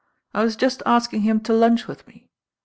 I was just asking him to lunch with me.